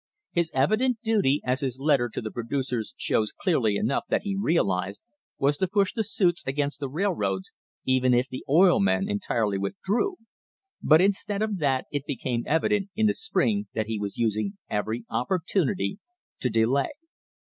His evident duty, as his letter to the producers shows clearly enough that he realised, was to push the suits against the railroads even if the oil men entirely withdrew, but instead of that it became evident in the spring that he was using every opportunity to delay.